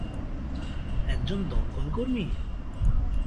একজন দমকল কর্মী?